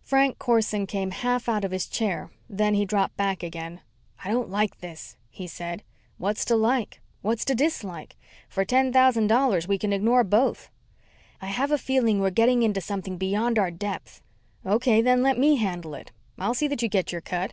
Frank Corson came half out of his chair, then he dropped back again. "I don't like this," he said. "What's to like? What's to dislike? For ten thousand dollars we can ignore both." "I have a feeling we're getting into something beyond our depth." "Okay, then let me handle it. I'll see that you get your cut."